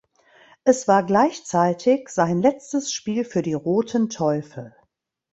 Es war gleichzeitig sein letztes Spiel für die "Roten Teufel".